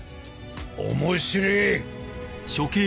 面白え！